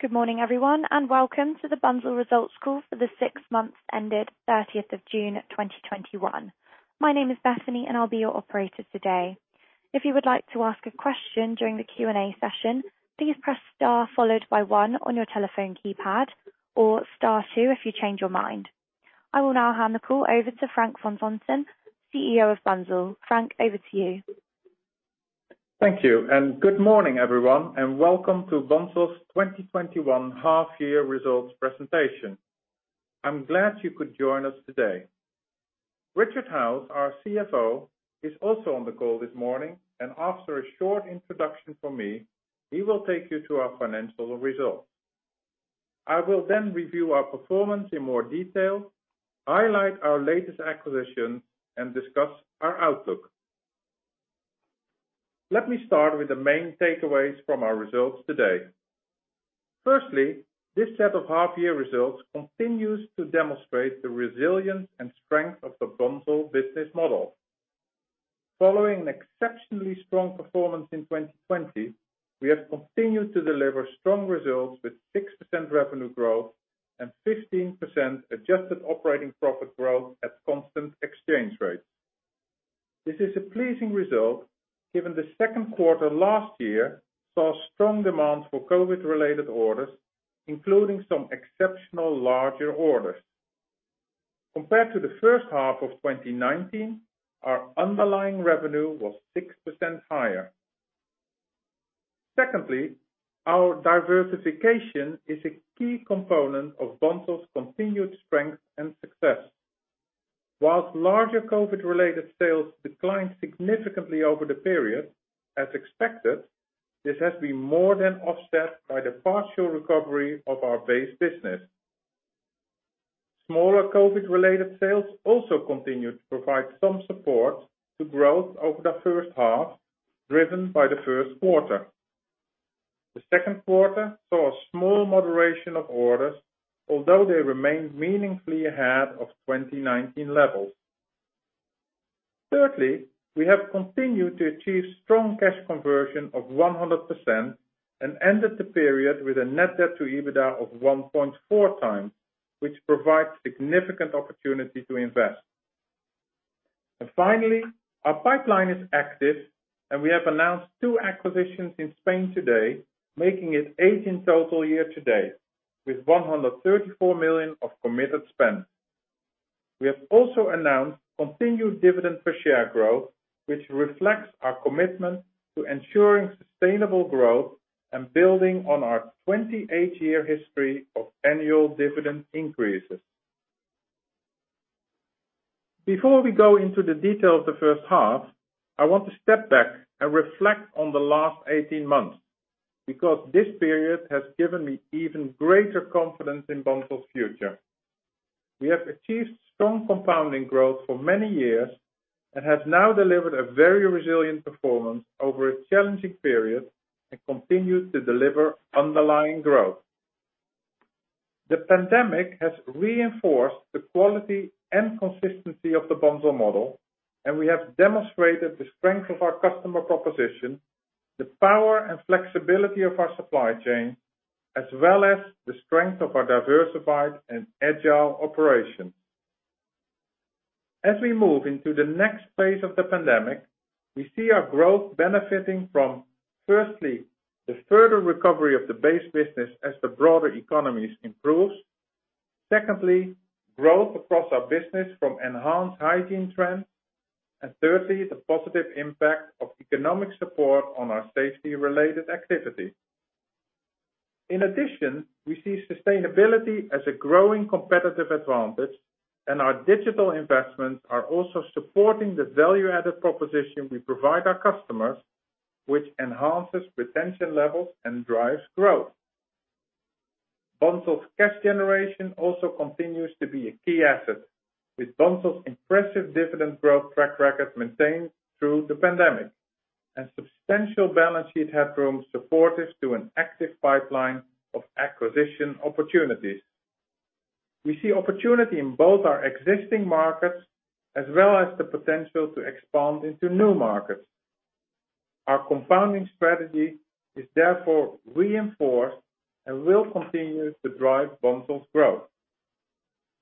Good morning, everyone, and welcome to the Bunzl Results Call for the six months ended 30th of June, 2021. My name is Bethany, and I'll be your operator today. If you would like to ask a question during the Q&A session, please press star followed by one on your telephone keypad, or star two if you change your mind. I will now hand the call over to Frank van Zanten, CEO of Bunzl. Frank, over to you. Thank you, and good morning, everyone, and welcome to Bunzl's 2021 half-year results presentation. I'm glad you could join us today. Richard Howes, our CFO, is also on the call this morning, and after a short introduction from me, he will take you to our financial results. I will then review our performance in more detail, highlight our latest acquisition, and discuss our outlook. Let me start with the main takeaways from our results today. Firstly, this set of half-year results continues to demonstrate the resilience and strength of the Bunzl business model. Following an exceptionally strong performance in 2020, we have continued to deliver strong results with 6% revenue growth and 15% adjusted operating profit growth at constant exchange rates. This is a pleasing result given the second quarter last year saw strong demand for COVID-related orders, including some exceptional larger orders. Compared to the first half of 2019, our underlying revenue was 6% higher. Secondly, our diversification is a key component of Bunzl's continued strength and success. Whilst larger COVID related sales declined significantly over the period, as expected, this has been more than offset by the partial recovery of our base business. Smaller COVID related sales also continued to provide some support to growth over the first half, driven by the first quarter. The second quarter saw a small moderation of orders, although they remained meaningfully ahead of 2019 levels. Thirdly, we have continued to achieve strong cash conversion of 100% and ended the period with a net debt to EBITDA of 1.4x, which provides significant opportunity to invest. Finally, our pipeline is active, and we have announced two acquisitions in Spain today, making it eight in total year to date, with 134 million of committed spend. We have also announced continued dividend per share growth, which reflects our commitment to ensuring sustainable growth and building on our 28-year history of annual dividend increases. Before we go into the detail of the first half, I want to step back and reflect on the last 18 months, because this period has given me even greater confidence in Bunzl's future. We have achieved strong compounding growth for many years and have now delivered a very resilient performance over a challenging period and continue to deliver underlying growth. The pandemic has reinforced the quality and consistency of the Bunzl model, and we have demonstrated the strength of our customer proposition, the power and flexibility of our supply chain, as well as the strength of our diversified and agile operations. As we move into the next phase of the pandemic, we see our growth benefiting from, firstly, the further recovery of the base business as the broader economies improves. Secondly, growth across our business from enhanced hygiene trends, and thirdly, the positive impact of economic support on our safety-related activity. In addition, we see sustainability as a growing competitive advantage, and our digital investments are also supporting the value-added proposition we provide our customers, which enhances retention levels and drives growth. Bunzl's cash generation also continues to be a key asset, with Bunzl's impressive dividend growth track record maintained through the pandemic, and substantial balance sheet headroom supportive to an active pipeline of acquisition opportunities. We see opportunity in both our existing markets as well as the potential to expand into new markets. Our compounding strategy is therefore reinforced and will continue to drive Bunzl's growth.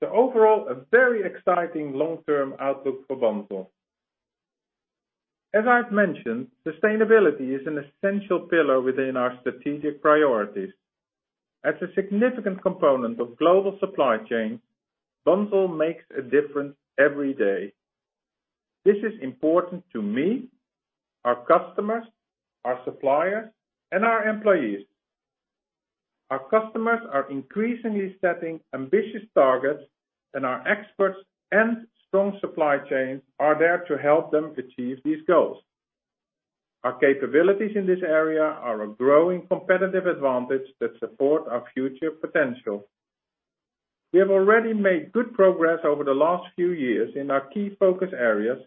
Overall, a very exciting long-term outlook for Bunzl. As I've mentioned, sustainability is an essential pillar within our strategic priorities. As a significant component of global supply chain, Bunzl makes a difference every day. This is important to me, our customers, our suppliers, and our employees. Our customers are increasingly setting ambitious targets, and our experts and strong supply chains are there to help them achieve these goals. Our capabilities in this area are a growing competitive advantage that support our future potential. We have already made good progress over the last few years in our key focus areas,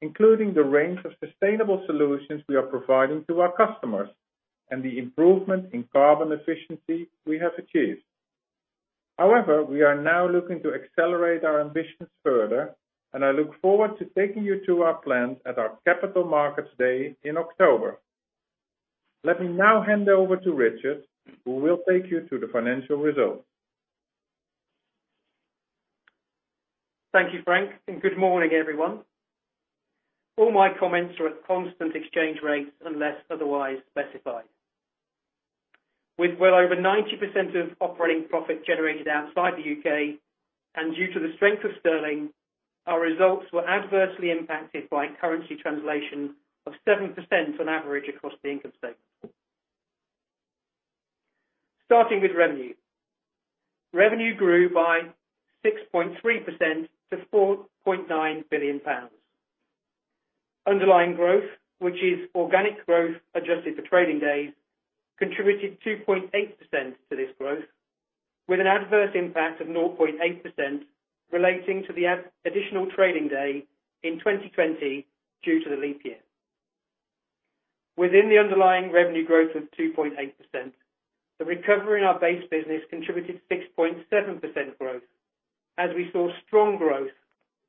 including the range of sustainable solutions we are providing to our customers and the improvement in carbon efficiency we have achieved. However, we are now looking to accelerate our ambitions further, and I look forward to taking you to our plans at our Capital Markets Day in October. Let me now hand over to Richard, who will take you to the financial results. Thank you, Frank, and good morning, everyone. All my comments are at constant exchange rates unless otherwise specified. With well over 90% of operating profit generated outside the U.K. and due to the strength of sterling, our results were adversely impacted by currency translation of 7% on average across the income statement. Starting with revenue. Revenue grew by 6.3% to 4.9 billion pounds. Underlying growth, which is organic growth adjusted for trading days, contributed 2.8% to this growth, with an adverse impact of 0.8% relating to the additional trading day in 2020 due to the leap year. Within the underlying revenue growth of 2.8%, the recovery in our base business contributed 6.7% growth as we saw strong growth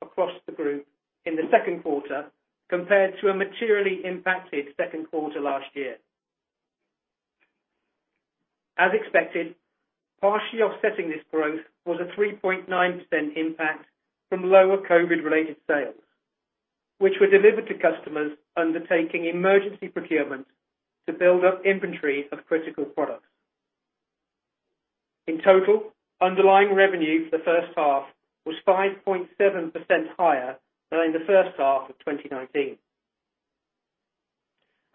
across the group in the second quarter compared to a materially impacted second quarter last year. As expected, partially offsetting this growth was a 3.9% impact from lower COVID-related sales, which were delivered to customers undertaking emergency procurement to build up inventory of critical products. In total, underlying revenue for the first half was 5.7% higher than in the first half of 2019.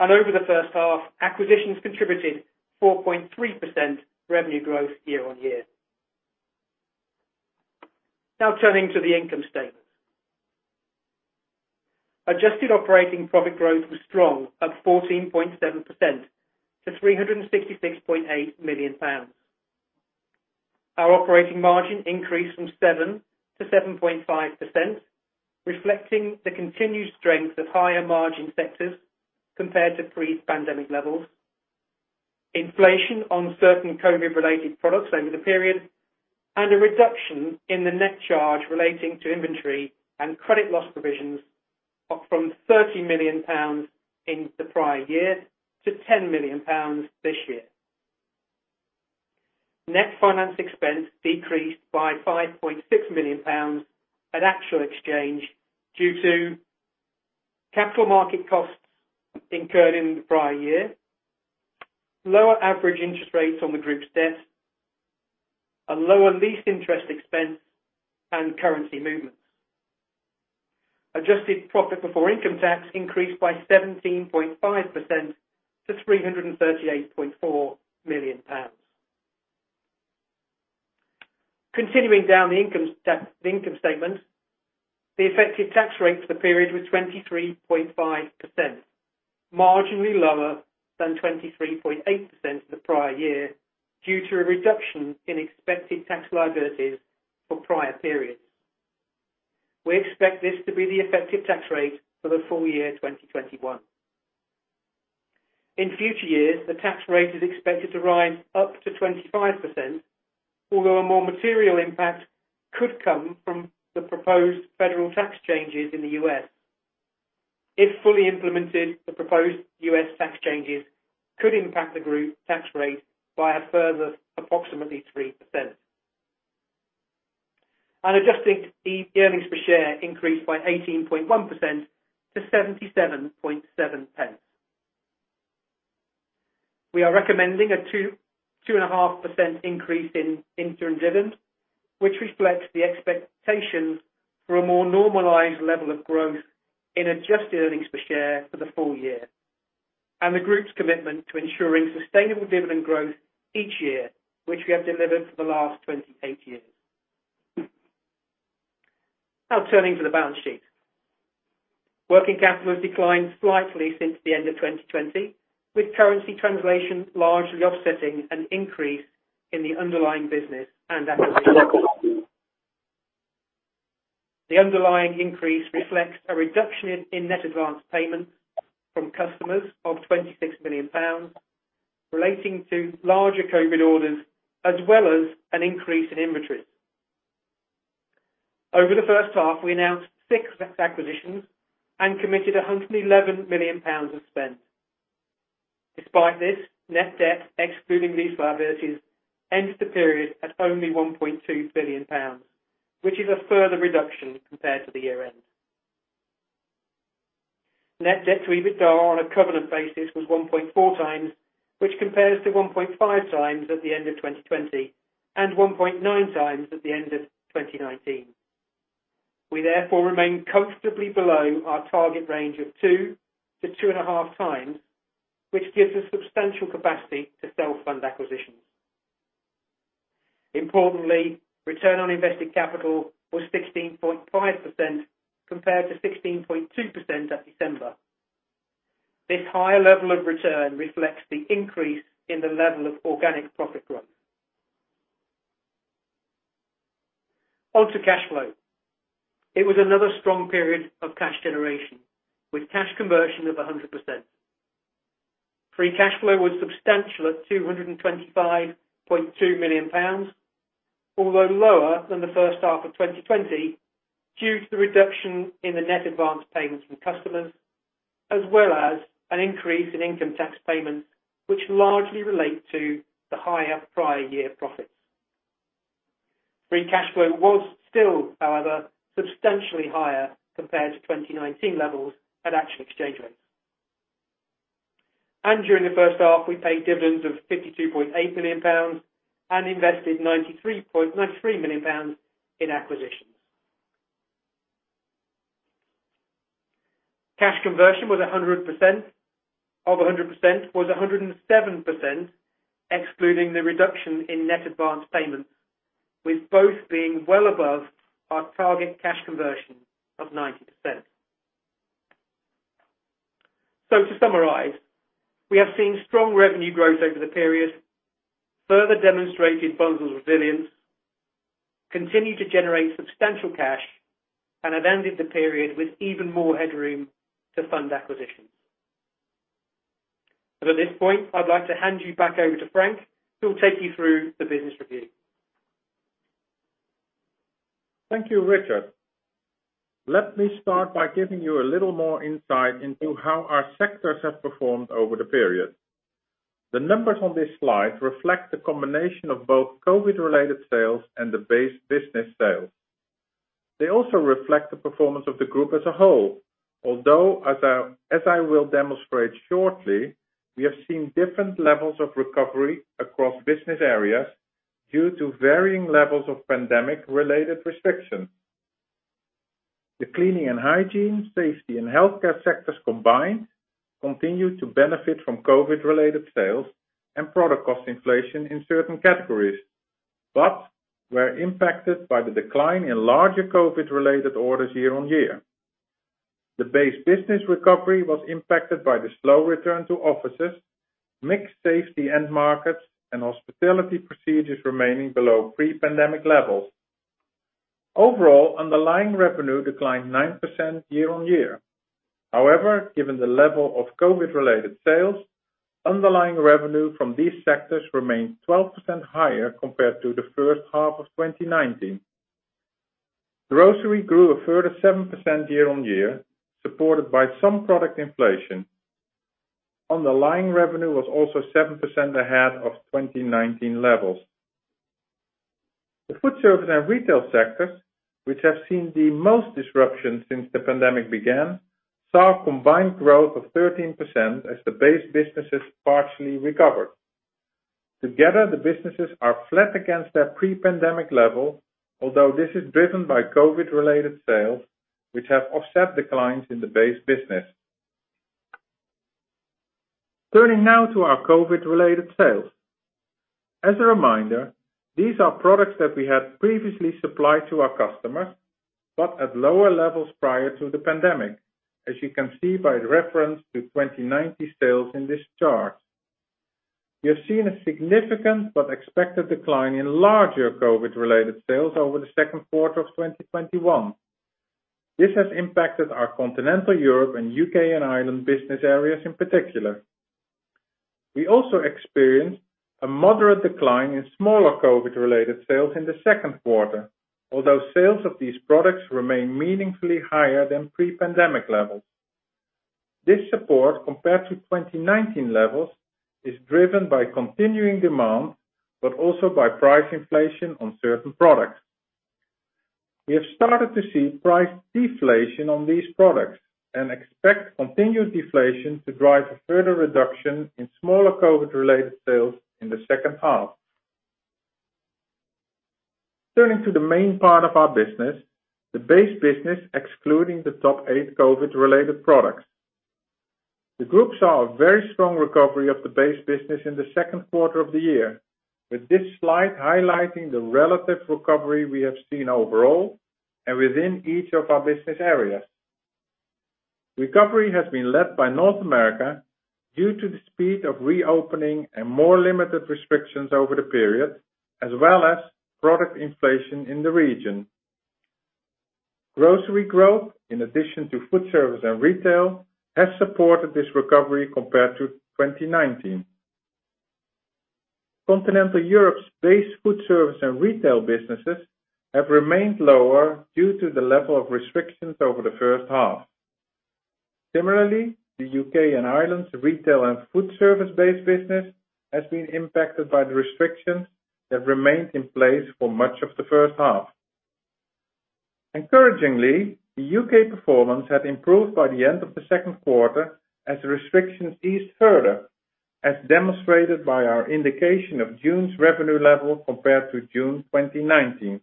Over the first half, acquisitions contributed 4.3% revenue growth year on year. Now turning to the income statement. Adjusted operating profit growth was strong at 14.7% to 366.8 million pounds. Our operating margin increased from 7%-7.5%, reflecting the continued strength of higher margin sectors compared to pre-pandemic levels, inflation on certain COVID-related products over the period, and a reduction in the net charge relating to inventory and credit loss provisions from 30 million pounds in the prior year to 10 million pounds this year. Net finance expense decreased by 5.6 million pounds at actual exchange due to capital market costs incurred in the prior year, lower average interest rates on the group's debt, and lower lease interest expense and currency movements. Adjusted profit before income tax increased by 17.5% to GBP 338.4 million. Continuing down the income statement, the effective tax rate for the period was 23.5%, marginally lower than 23.8% in the prior year due to a reduction in expected tax liabilities for prior periods. We expect this to be the effective tax rate for the full year 2021. In future years, the tax rate is expected to rise up to 25%, although a more material impact could come from the proposed federal tax changes in the U.S. If fully implemented, the proposed U.S. tax changes could impact the group tax rate by a further approximately 3%. Adjusted earnings per share increased by 18.1% to 0.777. We are recommending a 2.5% increase in interim dividend, which reflects the expectations for a more normalized level of growth in adjusted earnings per share for the full year, and the group's commitment to ensuring sustainable dividend growth each year, which we have delivered for the last 28 years. Turning to the balance sheet. Working capital has declined slightly since the end of 2020, with currency translation largely offsetting an increase in the underlying business and acquisitions. The underlying increase reflects a reduction in net advanced payments from customers of 26 million pounds relating to larger COVID orders as well as an increase in inventories. Over the first half, we announced six net acquisitions and committed 111 million pounds of spend. Despite this, net debt, excluding lease liabilities, ends the period at only 1.2 billion pounds, which is a further reduction compared to the year-end. Net debt to EBITDA on a covenant basis was 1.4x, which compares to 1.5x at the end of 2020 and 1.9x at the end of 2019. We therefore remain comfortably below our target range of 2-2.5 times, which gives us substantial capacity to self-fund acquisitions. Importantly, return on invested capital was 16.5% compared to 16.2% at December. This higher level of return reflects the increase in the level of organic profit growth. On to cash flow. It was another strong period of cash generation, with cash conversion of 100%. Free cash flow was substantial at GBP 225.2 million, although lower than the first half of 2020 due to the reduction in the net advance payments from customers as well as an increase in income tax payments, which largely relate to the higher prior year profits. Free cash flow was still, however, substantially higher compared to 2019 levels at actual exchange rates. During the first half, we paid dividends of 52.8 million pounds and invested 93.93 million pounds in acquisitions. Cash conversion of 100% was 107%, excluding the reduction in net advanced payments, with both being well above our target cash conversion of 90%. To summarize, we have seen strong revenue growth over the period, further demonstrating Bunzl's resilience, continue to generate substantial cash, and have ended the period with even more headroom to fund acquisitions. At this point, I'd like to hand you back over to Frank, who will take you through the business review. Thank you, Richard. Let me start by giving you a little more insight into how our sectors have performed over the period. The numbers on this slide reflect the combination of both COVID-related sales and the base business sales. They also reflect the performance of the group as a whole, although, as I will demonstrate shortly, we have seen different levels of recovery across business areas due to varying levels of pandemic-related restrictions. The cleaning and hygiene, safety, and healthcare sectors combined continue to benefit from COVID-related sales and product cost inflation in certain categories, but were impacted by the decline in larger COVID-related orders year-on-year. The base business recovery was impacted by the slow return to offices, mixed safety end markets, and hospitality procedures remaining below pre-pandemic levels. Overall, underlying revenue declined 9% year-on-year. However, given the level of COVID-related sales, underlying revenue from these sectors remains 12% higher compared to the first half of 2019. Grocery grew a further 7% year-on-year, supported by some product inflation. Underlying revenue was also 7% ahead of 2019 levels. The food service and retail sectors, which have seen the most disruption since the pandemic began, saw a combined growth of 13% as the base businesses partially recovered. Together, the businesses are flat against their pre-pandemic level, although this is driven by COVID-related sales, which have offset declines in the base business. Turning now to our COVID-related sales. As a reminder, these are products that we had previously supplied to our customers, but at lower levels prior to the pandemic, as you can see by reference to 2019 sales in this chart. We have seen a significant but expected decline in larger COVID-related sales over the second quarter of 2021. This has impacted our Continental Europe and U.K. and Ireland business areas in particular. We also experienced a moderate decline in smaller COVID-related sales in the second quarter, although sales of these products remain meaningfully higher than pre-pandemic levels. This support, compared to 2019 levels, is driven by continuing demand, but also by price inflation on certain products. We have started to see price deflation on these products and expect continued deflation to drive a further reduction in smaller COVID-related sales in the second half. Turning to the main part of our business, the base business, excluding the top eight COVID-related products. The group saw a very strong recovery of the base business in the second quarter of the year, with this slide highlighting the relative recovery we have seen overall and within each of our business areas. Recovery has been led by North America due to the speed of reopening and more limited restrictions over the period, as well as product inflation in the region. Grocery growth, in addition to food service and retail, has supported this recovery compared to 2019. Continental Europe's base food service and retail businesses have remained lower due to the level of restrictions over the first half. Similarly, the U.K. and Ireland's retail and food service-based business has been impacted by the restrictions that remained in place for much of the first half. Encouragingly, the U.K. performance had improved by the end of the second quarter as restrictions eased further, as demonstrated by our indication of June's revenue level compared to June 2019.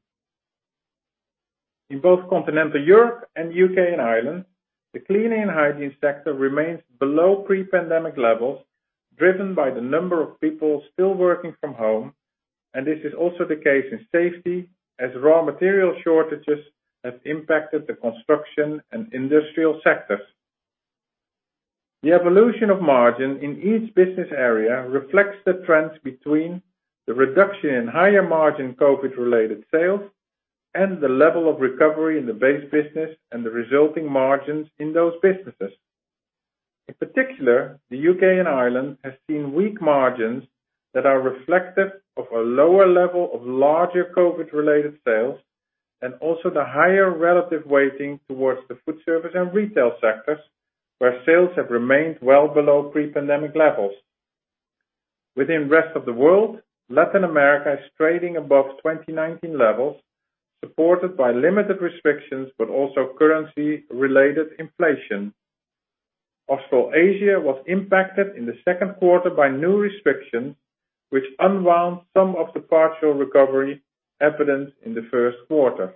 In both Continental Europe and U.K. and Ireland, the cleaning and hygiene sector remains below pre-pandemic levels, driven by the number of people still working from home, and this is also the case in safety, as raw material shortages have impacted the construction and industrial sectors. The evolution of margin in each business area reflects the trends between the reduction in higher margin COVID-related sales and the level of recovery in the base business and the resulting margins in those businesses. In particular, the U.K. and Ireland has seen weak margins that are reflective of a lower level of larger COVID-related sales, and also the higher relative weighting towards the food service and retail sectors, where sales have remained well below pre-pandemic levels. Within rest of the world, Latin America is trading above 2019 levels, supported by limited restrictions but also currency-related inflation. Australasia was impacted in the second quarter by new restrictions, which unwound some of the partial recovery evident in the first quarter.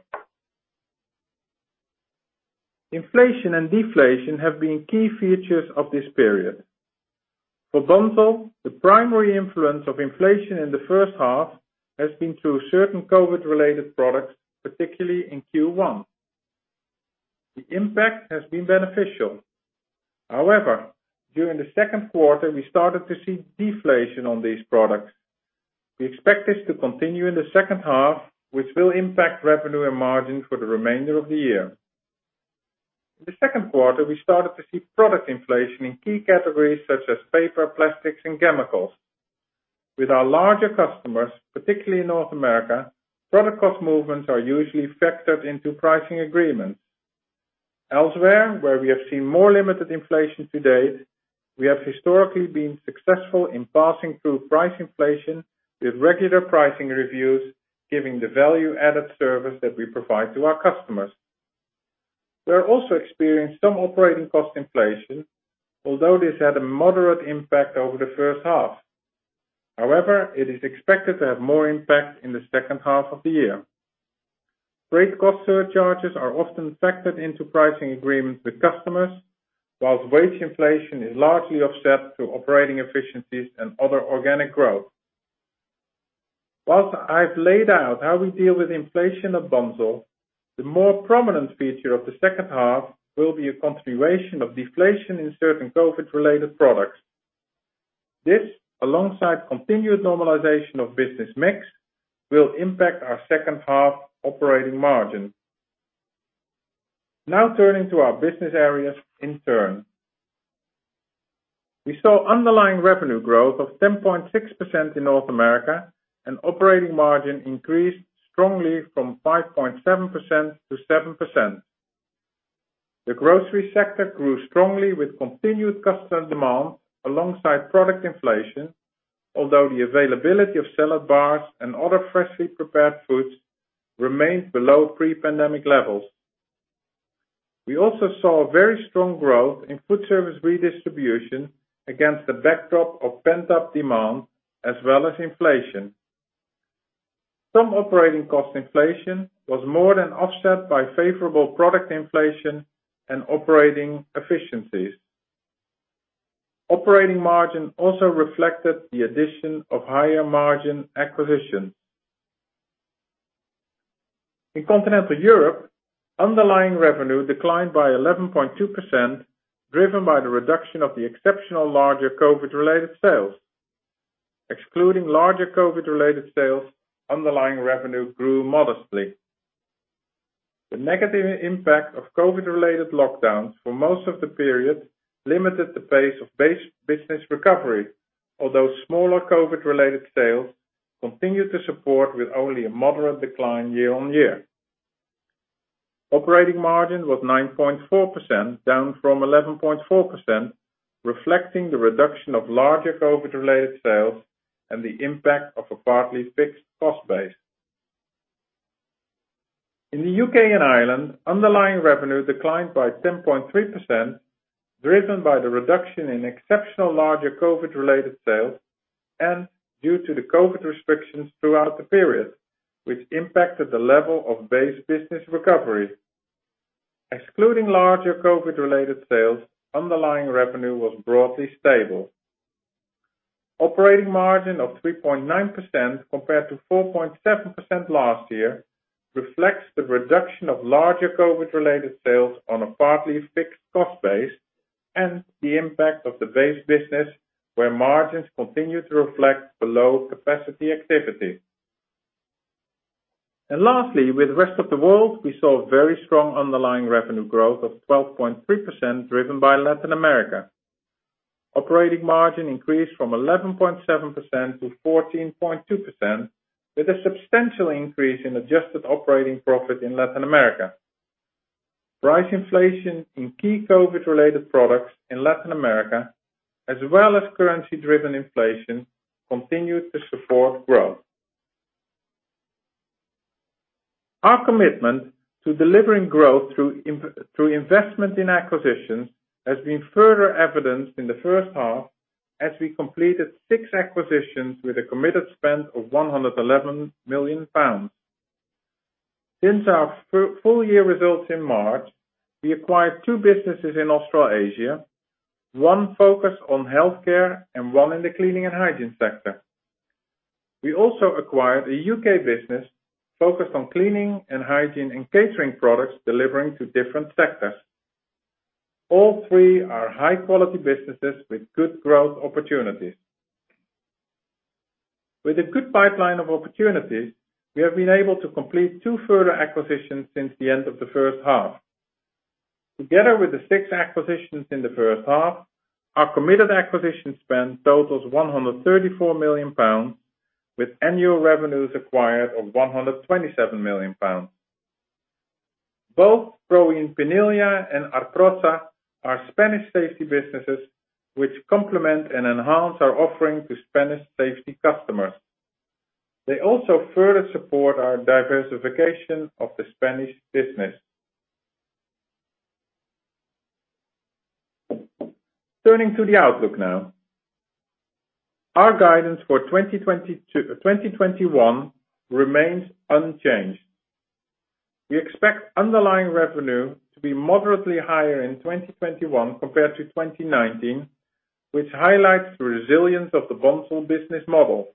Inflation and deflation have been key features of this period. For Bunzl, the primary influence of inflation in the first half has been through certain COVID-related products, particularly in Q1. The impact has been beneficial. However, during the second quarter, we started to see deflation on these products. We expect this to continue in the second half, which will impact revenue and margin for the remainder of the year. In the second quarter, we started to see product inflation in key categories such as paper, plastics, and chemicals. With our larger customers, particularly in North America, product cost movements are usually factored into pricing agreements. Elsewhere, where we have seen more limited inflation to date, we have historically been successful in passing through price inflation with regular pricing reviews, giving the value-added service that we provide to our customers. We are also experienced some operating cost inflation, although this had a moderate impact over the first half. However, it is expected to have more impact in the second half of the year. Freight cost surcharges are often factored into pricing agreements with customers, whilst wage inflation is largely offset through operating efficiencies and other organic growth. Whilst I've laid out how we deal with inflation at Bunzl, the more prominent feature of the second half will be a continuation of deflation in certain COVID-related products. This, alongside continued normalization of business mix, will impact our second half operating margin. Now turning to our business areas in turn. We saw underlying revenue growth of 10.6% in North America, and operating margin increased strongly from 5.7%-7%. The grocery sector grew strongly with continued customer demand alongside product inflation, although the availability of salad bars and other freshly prepared foods remained below pre-pandemic levels. We also saw a very strong growth in food service redistribution against the backdrop of pent-up demand as well as inflation. Some operating cost inflation was more than offset by favorable product inflation and operating efficiencies. Operating margin also reflected the addition of higher margin acquisitions. In continental Europe, underlying revenue declined by 11.2%, driven by the reduction of the exceptional larger COVID-related sales. Excluding larger COVID-related sales, underlying revenue grew modestly. The negative impact of COVID-related lockdowns for most of the period limited the pace of base business recovery, although smaller COVID-related sales continued to support with only a moderate decline year on year. Operating margin was 9.4%, down from 11.4%, reflecting the reduction of larger COVID-related sales and the impact of a partly fixed cost base. In the U.K. and Ireland, underlying revenue declined by 10.3%, driven by the reduction in exceptional larger COVID-related sales and due to the COVID restrictions throughout the period, which impacted the level of base business recovery. Excluding larger COVID-related sales, underlying revenue was broadly stable. Operating margin of 3.9%, compared to 4.7% last year, reflects the reduction of larger COVID-related sales on a partly fixed cost base and the impact of the base business, where margins continued to reflect below capacity activity. Lastly, with the rest of the world, we saw very strong underlying revenue growth of 12.3%, driven by Latin America. Operating margin increased from 11.7%-14.2% with a substantial increase in adjusted operating profit in Latin America. Price inflation in key COVID-related products in Latin America, as well as currency-driven inflation, continued to support growth. Our commitment to delivering growth through investment in acquisitions has been further evidenced in the first half as we completed six acquisitions with a committed spend of 111 million pounds. Since our full year results in March, we acquired two businesses in Australasia. One focused on healthcare and one in the cleaning and hygiene sector. We also acquired a U.K. business focused on cleaning and hygiene and catering products delivering to different sectors. All three are high-quality businesses with good growth opportunities. With a good pipeline of opportunities, we have been able to complete two further acquisitions since the end of the first half. Together with the six acquisitions in the first half, our committed acquisition spend totals 134 million pounds, with annual revenues acquired of 127 million pounds. Both Proin Pinilla and Arprosa are Spanish safety businesses which complement and enhance our offering to Spanish safety customers. They also further support our diversification of the Spanish business. Turning to the outlook now. Our guidance for 2021 remains unchanged. We expect underlying revenue to be moderately higher in 2021 compared to 2019, which highlights the resilience of the Bunzl business model.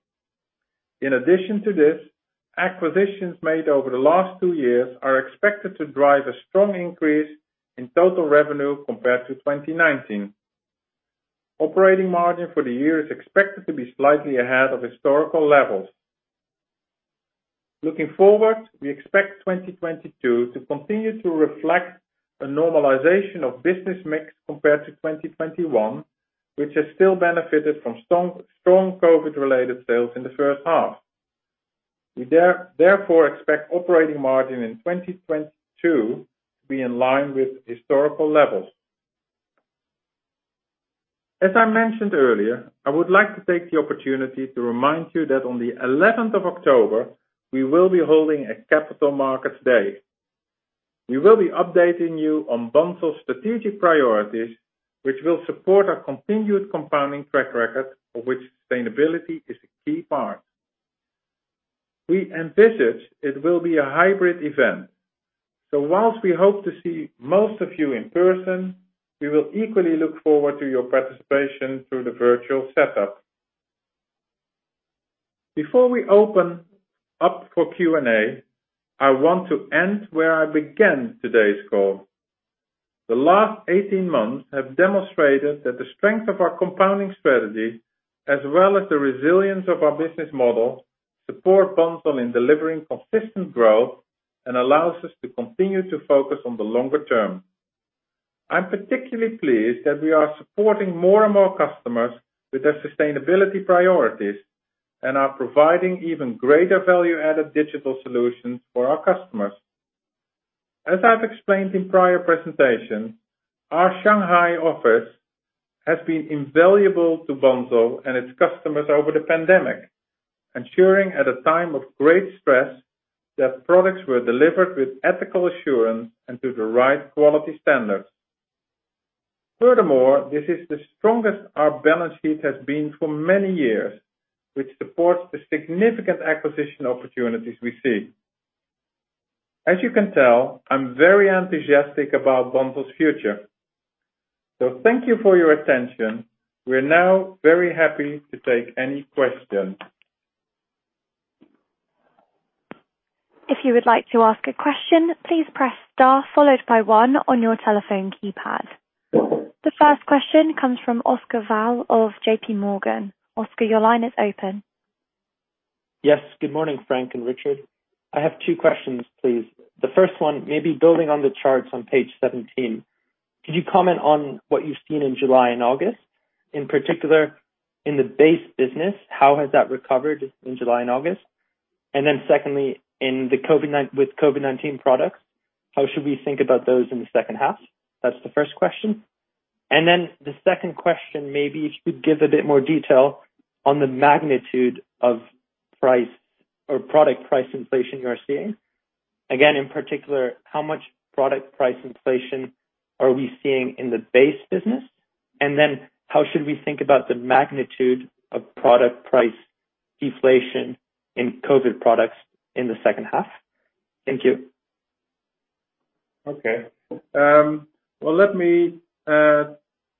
In addition to this, acquisitions made over the last two years are expected to drive a strong increase in total revenue compared to 2019. Operating margin for the year is expected to be slightly ahead of historical levels. Looking forward, we expect 2022 to continue to reflect a normalization of business mix compared to 2021, which has still benefited from strong COVID-related sales in the first half. We therefore expect operating margin in 2022 to be in line with historical levels. As I mentioned earlier, I would like to take the opportunity to remind you that on the 11th of October, we will be holding a Capital Markets Day. We will be updating you on Bunzl's strategic priorities, which will support our continued compounding track record, of which sustainability is a key part. We envisage it will be a hybrid event. Whilst we hope to see most of you in person, we will equally look forward to your participation through the virtual setup. Before we open up for Q&A, I want to end where I began today's call. The last 18 months have demonstrated that the strength of our compounding strategy, as well as the resilience of our business model, support Bunzl in delivering consistent growth and allows us to continue to focus on the longer term. I'm particularly pleased that we are supporting more and more customers with their sustainability priorities and are providing even greater value-added digital solutions for our customers. As I've explained in prior presentations, our Shanghai office has been invaluable to Bunzl and its customers over the pandemic, ensuring at a time of great stress that products were delivered with ethical assurance and to the right quality standards. Furthermore, this is the strongest our balance sheet has been for many years, which supports the significant acquisition opportunities we see. As you can tell, I'm very enthusiastic about Bunzl's future. Thank you for your attention. We're now very happy to take any questions. If you would like to ask a question, please press star followed by one on your telephone keypad. The first question comes from Oscar Val Mas of JPMorgan. Oscar, your line is open. Yes. Good morning, Frank and Richard. I have two questions, please. The first one, maybe building on the charts on page 17. Could you comment on what you've seen in July and August? In particular, in the base business, how has that recovered in July and August? Secondly, with COVID-19 products, how should we think about those in the second half? That's the first question. The second question, maybe if you could give a bit more detail on the magnitude of price or product price inflation you are seeing. Again, in particular, how much product price inflation are we seeing in the base business? How should we think about the magnitude of product price deflation in COVID products in the second half? Thank you. Okay. Well, let me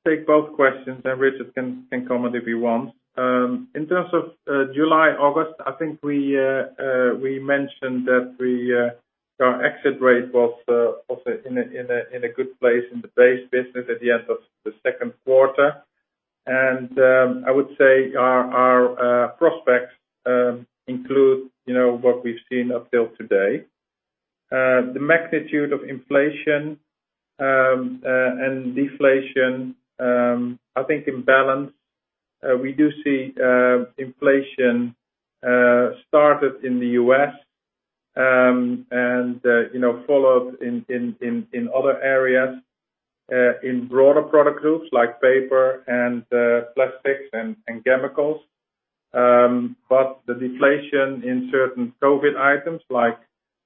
take both questions. Richard can comment if he wants. In terms of July, August, I think we mentioned that our exit rate was in a good place in the base business at the end of the second quarter. I would say our prospects include what we've seen up till today. The magnitude of inflation and deflation, I think in balance, we do see inflation started in the U.S. and followed in other areas, in broader product groups like paper and plastics and chemicals. The deflation in certain COVID items like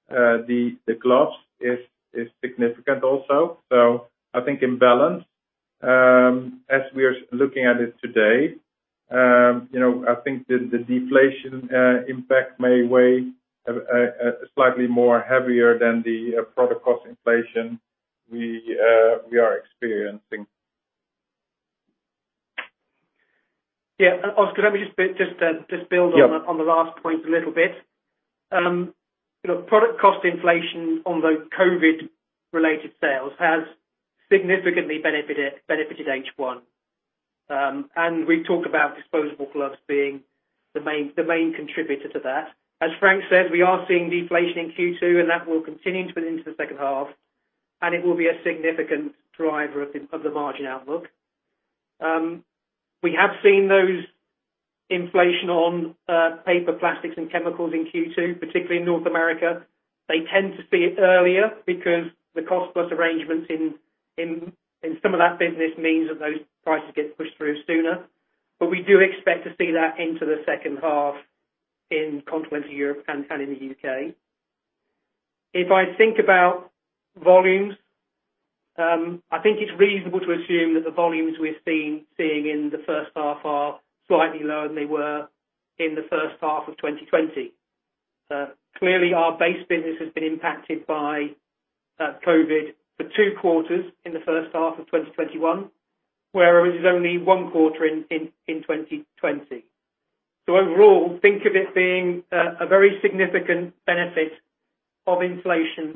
the gloves is significant also. I think in balance, as we are looking at it today, I think the deflation impact may weigh slightly more heavier than the product cost inflation we are experiencing. Yeah. Oscar, let me just. Yeah On the last point a little bit. Product cost inflation on those COVID related sales has significantly benefited H1. We've talked about disposable gloves being the main contributor to that. As Frank said, we are seeing deflation in Q2, and that will continue into the second half, and it will be a significant driver of the margin outlook. We have seen those inflation on paper, plastics and chemicals in Q2, particularly in North America. They tend to see it earlier because the cost-plus arrangements in some of that business means that those prices get pushed through sooner. We do expect to see that into the second half in Continental Europe and in the U.K. If I think about volumes, I think it's reasonable to assume that the volumes we're seeing in the first half are slightly lower than they were in the first half of 2020. Clearly, our base business has been impacted by COVID for two quarters in the first half of 2021, whereas it's only one quarter in 2020. Overall, think of it being a very significant benefit of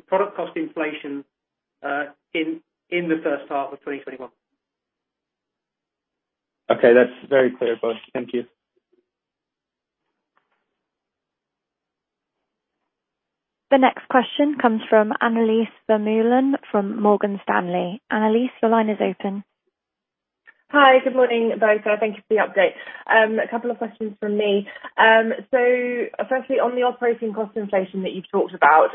product cost inflation in the first half of 2021. Okay, that's very clear, boss. Thank you. The next question comes from Annelies Vermeulen from Morgan Stanley. Annelies, the line is open. Hi, good morning, both. Thank you for the update. A couple of questions from me. Firstly, on the operating cost inflation that you've talked about,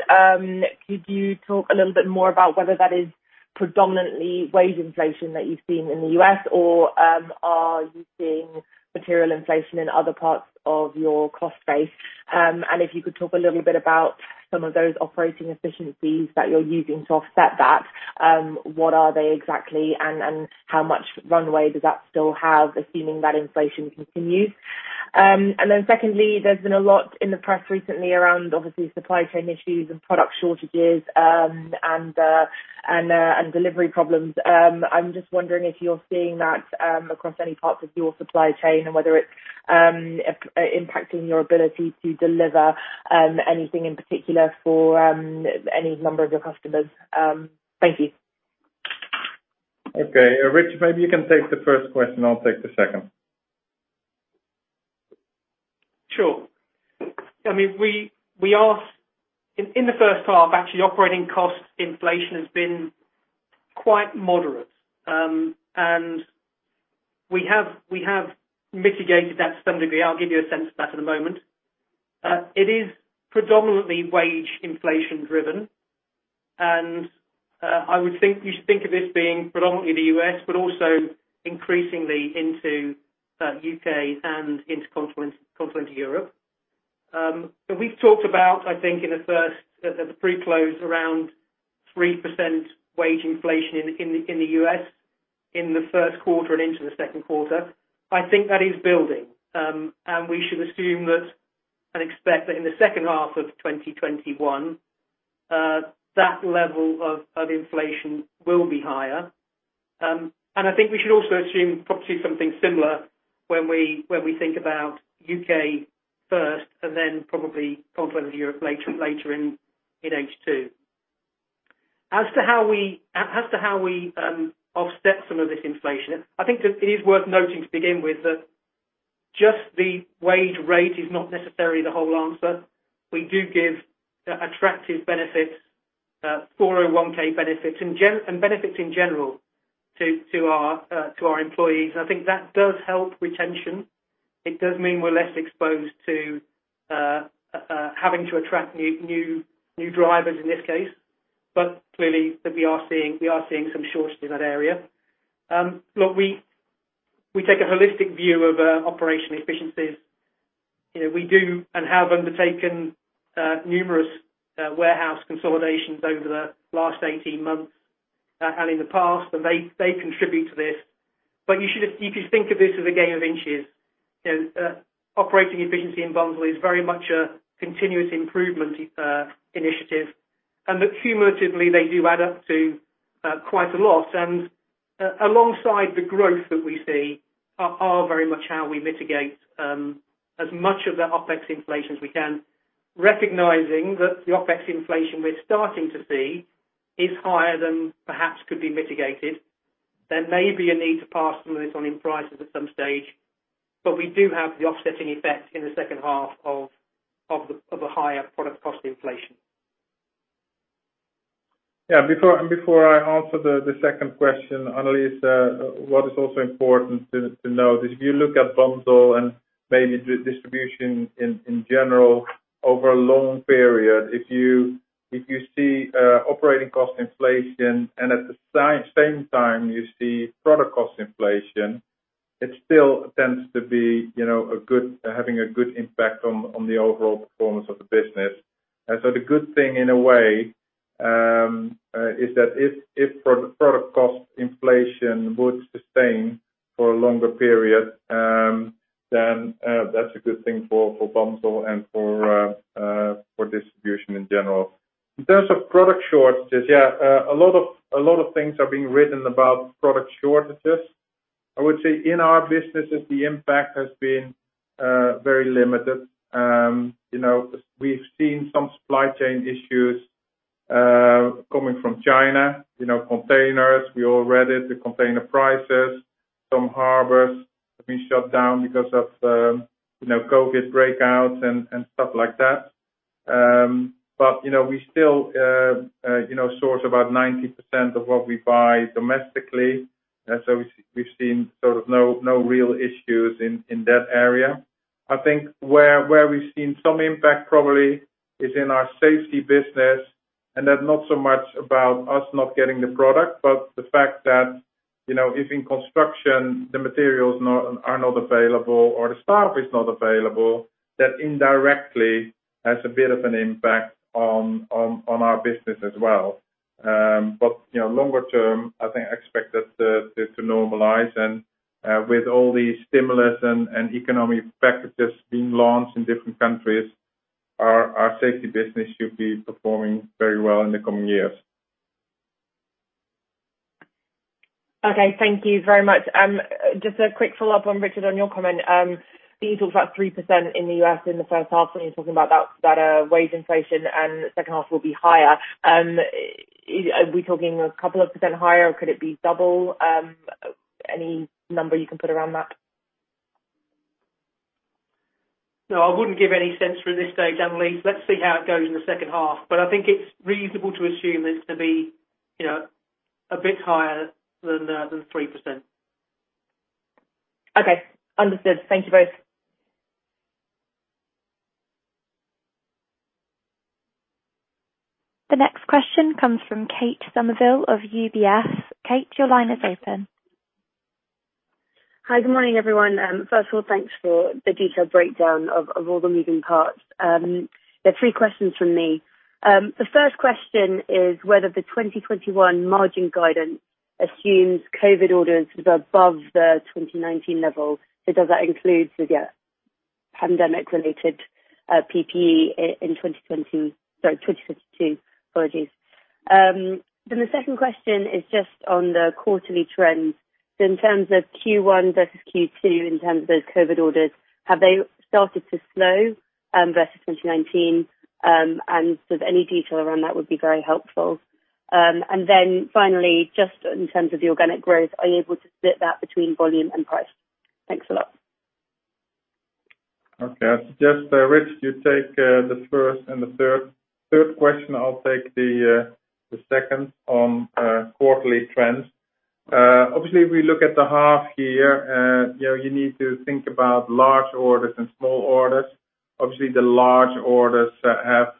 could you talk a little bit more about whether that is predominantly wage inflation that you've seen in the U.S., or are you seeing material inflation in other parts of your cost base? If you could talk a little bit about some of those operating efficiencies that you're using to offset that, what are they exactly, and how much runway does that still have, assuming that inflation continues? Secondly, there's been a lot in the press recently around obviously supply chain issues and product shortages and delivery problems. I'm just wondering if you're seeing that across any parts of your supply chain and whether it's impacting your ability to deliver anything in particular for any number of your customers. Thank you. Okay. Richard, maybe you can take the first question. I'll take the second. Sure. In the first half, actually operating cost inflation has been quite moderate. We have mitigated that to some degree. I'll give you a sense of that in a moment. It is predominantly wage inflation driven, and you should think of it being predominantly the U.S., but also increasingly into U.K. and into Continental Europe. We've talked about, I think at the pre-close, around 3% wage inflation in the U.S. in the first quarter and into the second quarter. I think that is building. We should assume that and expect that in the second half of 2021, that level of inflation will be higher. I think we should also assume probably something similar when we think about U.K. first and then probably Continental Europe later in H2. As to how we offset some of this inflation, I think it is worth noting to begin with that just the wage rate is not necessarily the whole answer. We do give attractive benefits, 401(k) benefits, and benefits in general to our employees, and I think that does help retention. It does mean we're less exposed to having to attract new drivers in this case. Clearly, we are seeing some shortage in that area. Look, we take a holistic view of operation efficiencies. We do and have undertaken numerous warehouse consolidations over the last 18 months and in the past, and they contribute to this. You should think of this as a game of inches. Operating efficiency in Bunzl is very much a continuous improvement initiative and that cumulatively, they do add up to quite a lot. Alongside the growth that we see are very much how we mitigate as much of the OpEx inflation as we can, recognizing that the OpEx inflation we're starting to see is higher than perhaps could be mitigated. There may be a need to pass some of this on in prices at some stage, but we do have the offsetting effect in the second half of a higher product cost inflation. Before I answer the second question, Annelies, what is also important to note is if you look at Bunzl and maybe distribution in general over a long period, if you see operating cost inflation and at the same time you see product cost inflation, it still tends to be having a good impact on the overall performance of the business. The good thing, in a way, is that if product cost inflation would sustain for a longer period, then that's a good thing for Bunzl and for distribution in general. In terms of product shortages, a lot of things are being written about product shortages. I would say in our businesses, the impact has been very limited. We've seen some supply chain issues coming from China, containers. We all read it, the container prices. Some harbors have been shut down because of COVID breakouts and stuff like that. We still source about 90% of what we buy domestically, so we've seen sort of no real issues in that area. I think where we've seen some impact probably is in our safety business, and that not so much about us not getting the product, but the fact that, if in construction, the materials are not available or the staff is not available, that indirectly has a bit of an impact on our business as well. Longer term, I think expect that to normalize and with all these stimulus and economic packages being launched in different countries, our safety business should be performing very well in the coming years. Okay. Thank you very much. Just a quick follow-up on Richard, on your comment. You talked about 3% in the U.S. in the first half, when you were talking about that wage inflation and the second half will be higher. Are we talking a couple of percent higher, or could it be double? Any number you can put around that? No, I wouldn't give any sense for it at this stage, Annelies. Let's see how it goes in the second half. I think it's reasonable to assume that it's going to be a bit higher than 3%. Okay. Understood. Thank you both. The next question comes from Kate Somerville of UBS. Kate, your line is open. Hi, good morning, everyone. First of all, thanks for the detailed breakdown of all the moving parts. There are three questions from me. The first question is whether the 2021 margin guidance assumes COVID orders above the 2019 level. Does that include pandemic related PPE in 2022? Apologies. The second question is just on the quarterly trends. In terms of Q1 versus Q2, in terms of COVID orders, have they started to slow versus 2019? Any detail around that would be very helpful. Finally, just in terms of the organic growth, are you able to split that between volume and price? Thanks a lot. I suggest, Rich, you take the first and the third question. I'll take the second on quarterly trends. If we look at the half year, you need to think about large orders and small orders. The large orders have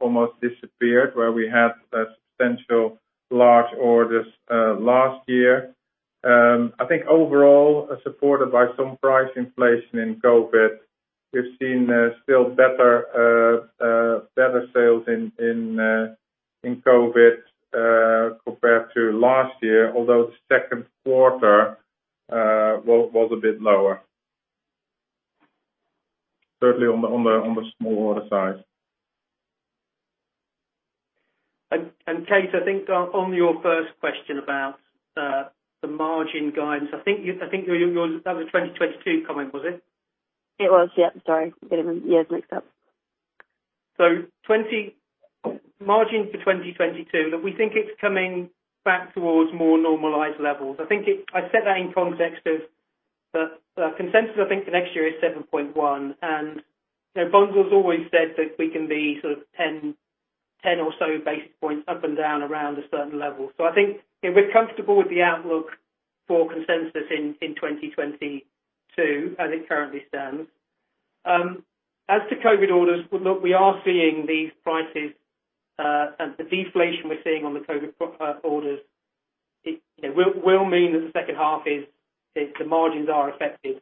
almost disappeared, where we had substantial large orders last year. I think overall, supported by some price inflation in COVID, we've seen still better sales in COVID compared to last year, although the second quarter was a bit lower, certainly on the small order size. Kate, I think on your first question about the margin guidance, I think that was a 2022 comment, was it? It was, yeah. Sorry. Getting my years mixed up. Margin for 2022, look, we think it's coming back towards more normalized levels. I said that in context of the consensus I think for next year is 7.1%. Bunzl's always said that we can be sort of 10 or so basis points up and down around a certain level. I think we're comfortable with the outlook for consensus in 2022 as it currently stands. As to COVID orders, look, we are seeing these prices, and the deflation we're seeing on the COVID orders will mean that the second half is the margins are affected.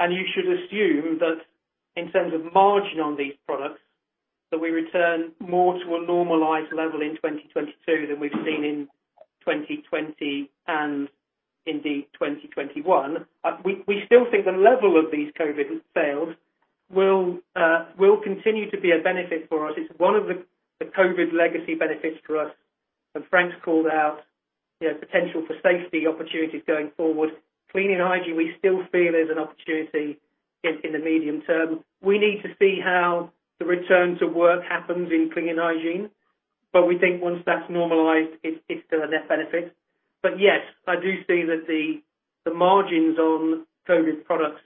You should assume that in terms of margin on these products, that we return more to a normalized level in 2022 than we've seen in 2020 and indeed 2021. We still think the level of these COVID sales will continue to be a benefit for us. It's one of the COVID legacy benefits for us, and Frank called out potential for safety opportunities going forward. Clean and hygiene, we still feel there's an opportunity in the medium term. We need to see how the return to work happens in clean and hygiene, but we think once that's normalized, it's still a net benefit. Yes, I do see that the margins on COVID products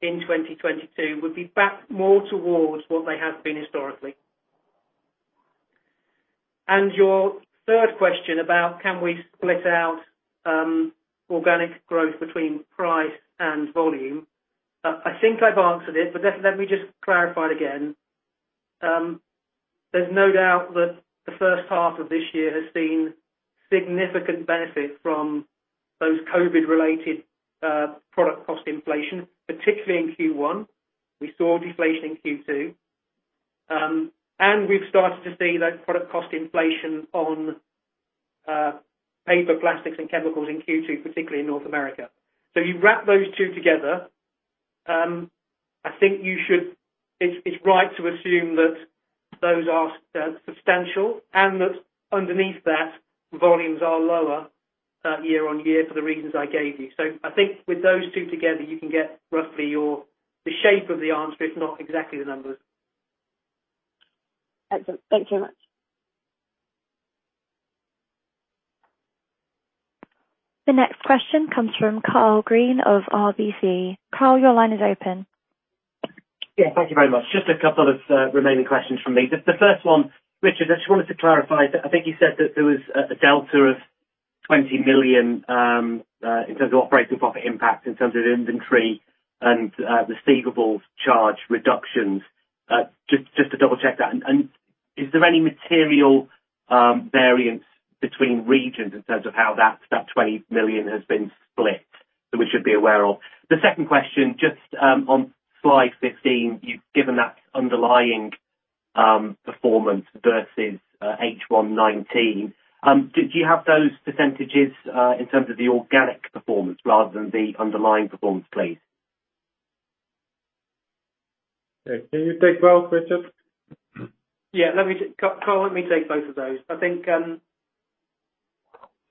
in 2022 would be back more towards what they have been historically. Your third question about can we split out organic growth between price and volume. I think I've answered it, but let me just clarify it again. There's no doubt that the first half of this year has seen significant benefit from those COVID related product cost inflation, particularly in Q1. We saw deflation in Q2. We've started to see that product cost inflation on paper, plastics, and chemicals in Q2, particularly in North America. You wrap those two together. I think it's right to assume that those are substantial and that underneath that, volumes are lower year-on-year for the reasons I gave you. I think with those two together, you can get roughly the shape of the answer, if not exactly the numbers. Excellent. Thank you very much. The next question comes from Karl Green of RBC. Karl, your line is open. Yeah, thank you very much. Just a couple of remaining questions from me. The first one, Richard, I just wanted to clarify, I think you said that there was a delta of 20 million in terms of operating profit impact, in terms of inventory and receivable charge reductions. Just to double-check that. Is there any material variance between regions in terms of how that 20 million has been split, that we should be aware of? The second question, just on slide 15, you've given that underlying performance versus H1 2019. Do you have those percentages in terms of the organic performance rather than the underlying performance, please? Can you take both, Richard? Karl, let me take both of those. I think,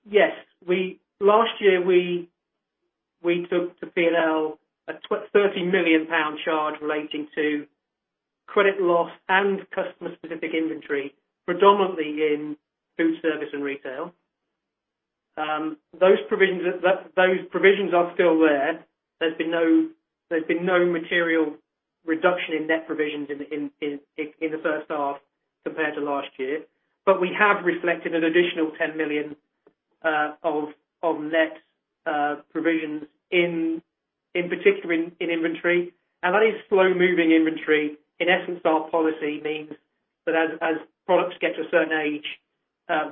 yes, last year we took to P&L a 30 million pound charge relating to credit loss and customer-specific inventory, predominantly in food service and retail. Those provisions are still there. There's been no material reduction in net provisions in the first half compared to last year. We have reflected an additional 10 million of net provisions in particular in inventory. That is slow-moving inventory. In essence, our policy means that as products get to a certain age,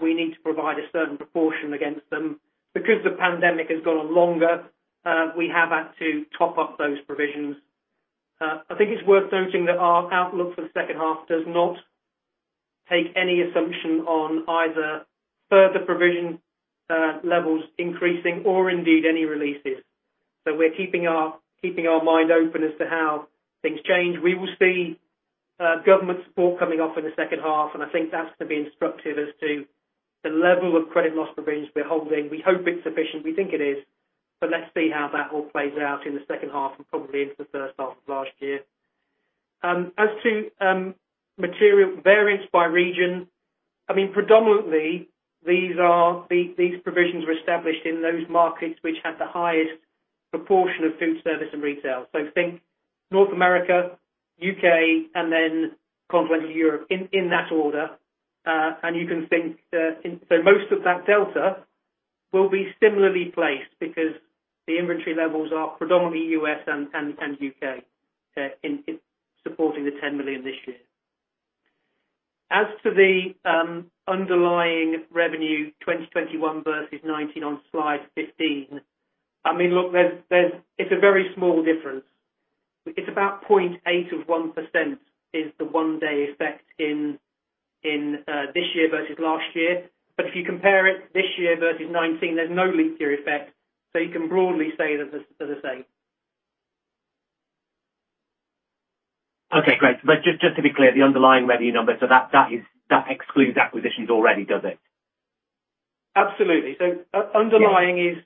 we need to provide a certain proportion against them. Because the pandemic has gone on longer, we have had to top up those provisions. I think it's worth noting that our outlook for the second half does not take any assumption on either further provision levels increasing or indeed any releases. We're keeping our mind open as to how things change. We will see government support coming off in the second half, and I think that's going to be instructive as to the level of credit loss provisions we're holding. We hope it's sufficient. We think it is, let's see how that all plays out in the second half and probably into the first half of last year. As to material variance by region, predominantly, these provisions were established in those markets which had the highest proportion of food service and retail. Think North America, U.K., and then Continental Europe, in that order. Most of that delta will be similarly placed because the inventory levels are predominantly U.S. and U.K. in supporting the 10 million this year. As to the underlying revenue 2021 versus 2019 on slide 15, it's a very small difference. It's about 0.8% of 1% is the one-day effect in this year versus last year. If you compare it this year versus 2019, there's no leap year effect, so you can broadly say they're the same. Okay, great. Just to be clear, the underlying revenue numbers, so that excludes acquisitions already, does it? Absolutely. Underlying is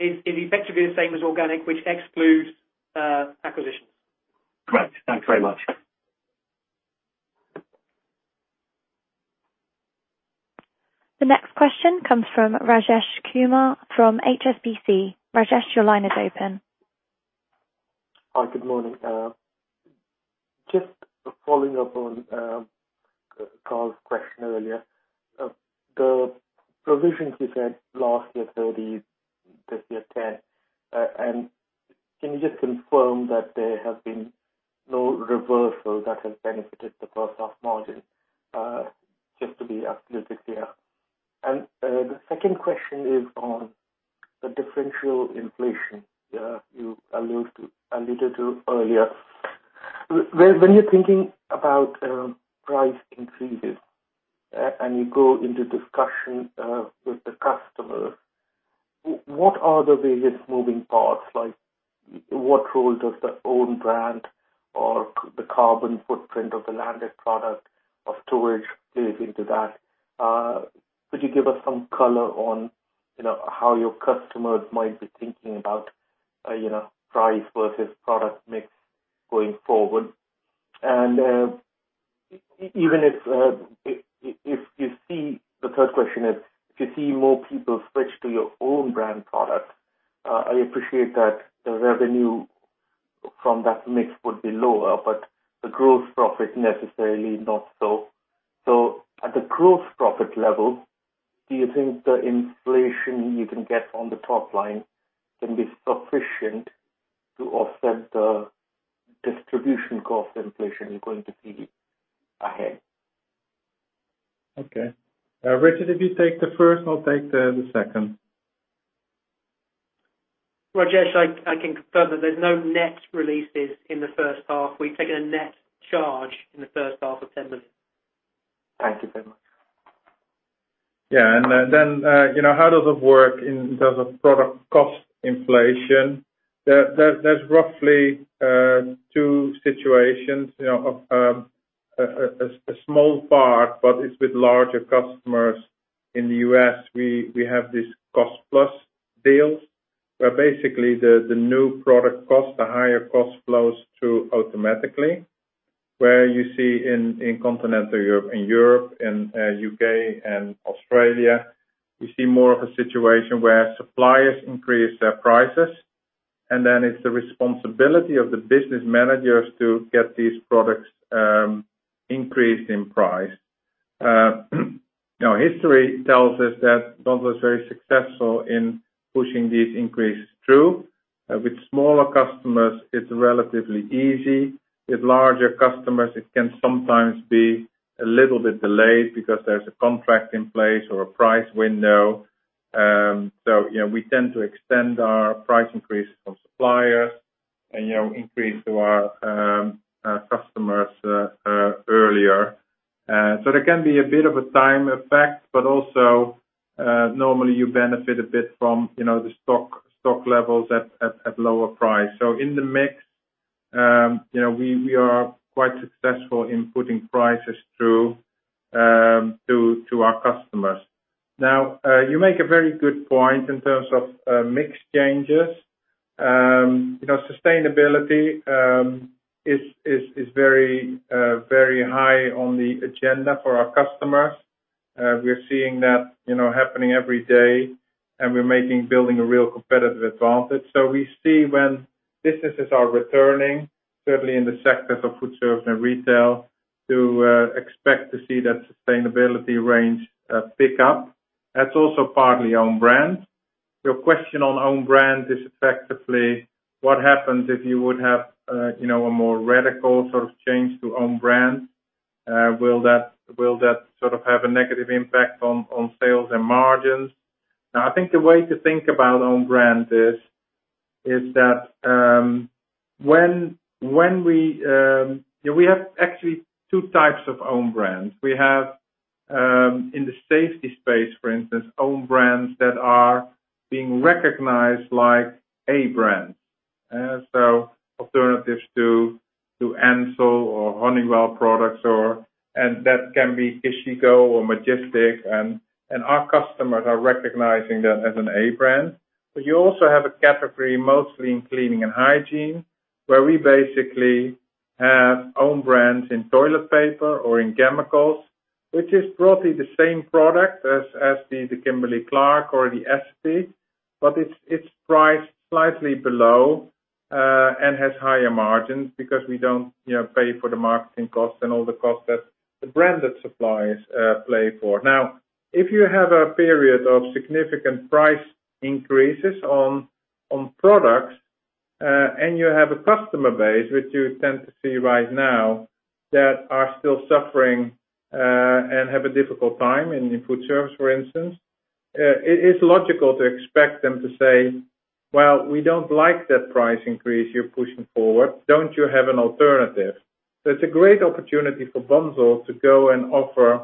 effectively the same as organic, which excludes acquisitions. Great. Thanks very much. The next question comes from Rajesh Kumar from HSBC. Rajesh, your line is open. Hi, good morning. Just following up on Karl's question earlier. The provisions you said last year, 30 million, this year, 10 million. Can you just confirm that there have been no reversal that has benefited the first half margin, just to be absolutely clear. The second question is on the differential inflation you alluded to earlier. When you're thinking about price increases and you go into discussion with the customer, what are the various moving parts? What role does the own brand or the carbon footprint of the landed product of storage play into that? Could you give us some color on how your customers might be thinking about price versus product mix going forward? The third question is, if you see more people switch to your own brand product, I appreciate that the revenue from that mix would be lower, but the gross profit necessarily not so. At the gross profit level, do you think the inflation you can get on the top line can be sufficient to offset the distribution cost inflation you're going to see ahead? Okay. Richard, if you take the first, I'll take the second. Rajesh, I can confirm that there's no net releases in the first half. We've taken a net charge in the first half of GBP 10 million. Thank you so much. How does it work in terms of product cost inflation? There's roughly two situations. A small part, but it's with larger customers in the U.S., we have these cost-plus deals, where basically the new product costs, the higher cost flows through automatically. Where you see in Continental Europe, in Europe, in U.K. and Australia, you see more of a situation where suppliers increase their prices, it's the responsibility of the business managers to get these products increased in price. History tells us that Bunzl was very successful in pushing these increases through. With smaller customers, it's relatively easy. With larger customers, it can sometimes be a little bit delayed because there's a contract in place or a price window. We tend to extend our price increase from suppliers and increase to our customers earlier. There can be a bit of a time effect, but also, normally you benefit a bit from the stock levels at lower price. In the mix, we are quite successful in putting prices through to our customers. You make a very good point in terms of mix changes. Sustainability is very high on the agenda for our customers. We're seeing that happening every day, and we're building a real competitive advantage. We see when businesses are returning, certainly in the sectors of food service and retail, to expect to see that sustainability range pick up. That's also partly own brand. Your question on own brand is effectively what happens if you would have a more radical sort of change to own brand? Will that sort of have a negative impact on sales and margins? I think the way to think about own brand is that we have actually two types of own brands. We have, in the safety space, for instance, own brands that are being recognized like A brands. Alternatives to Ansell or Honeywell products, and that can be Issigo or Majestic, and our customers are recognizing that as an A brand. You also have a category mostly in cleaning and hygiene, where we basically have own brands in toilet paper or in chemicals, which is broadly the same product as the Kimberly-Clark or the Essity, but it's priced slightly below, and has higher margins because we don't pay for the marketing costs and all the costs that the branded suppliers play for. If you have a period of significant price increases on products, and you have a customer base, which you tend to see right now, that are still suffering, and have a difficult time in food service, for instance, it is logical to expect them to say, "Well, we don't like that price increase you're pushing forward. Don't you have an alternative?" It's a great opportunity for Bunzl to go and offer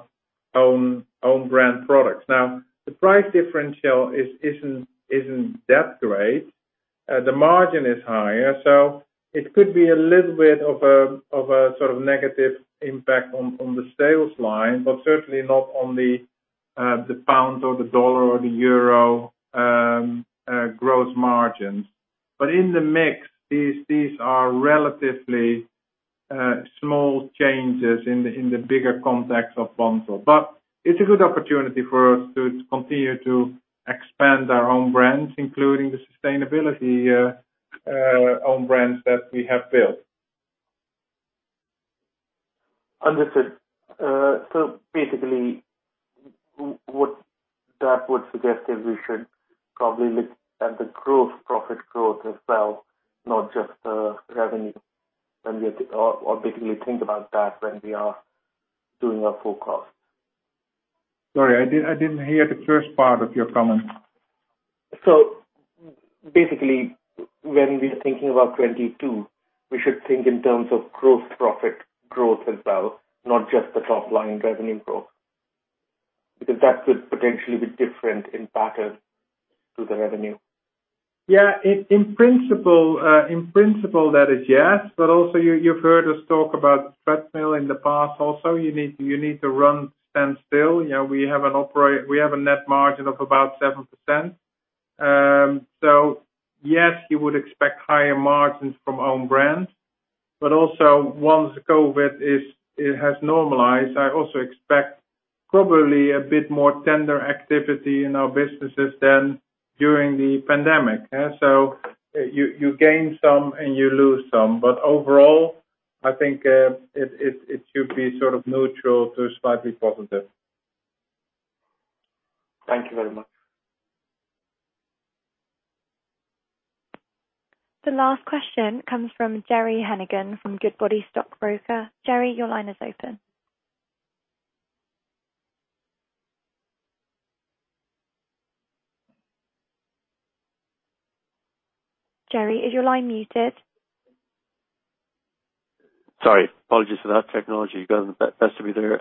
own brand products. The price differential isn't that great. The margin is higher. It could be a little bit of a sort of negative impact on the sales line, but certainly not on the pound or the dollar or the euro gross margins. In the mix, these are relatively small changes in the bigger context of Bunzl. It's a good opportunity for us to continue to expand our own brands, including the sustainability own brands that we have built. Understood. Basically, what that would suggest is we should probably look at the growth, profit growth as well, not just the revenue. Basically think about that when we are doing our forecast. Sorry, I didn't hear the first part of your comment. When we are thinking about 2022, we should think in terms of gross profit growth as well, not just the top line revenue growth. That could potentially be different impacted to the revenue. In principle, that is yes. Also, you've heard us talk about treadmill in the past also. You need to run standstill. We have a net margin of about 7%. Yes, you would expect higher margins from own brand, but also once COVID has normalized, I also expect probably a bit more tender activity in our businesses than during the pandemic. You gain some and you lose some. Overall, I think, it should be sort of neutral to slightly positive. Thank you very much. The last question comes from Gerry Hennigan from Goodbody Stockbrokers. Gerry, your line is open. Gerry, is your line muted? Sorry. Apologies for that. Technology got the best of me there.